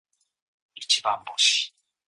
一番星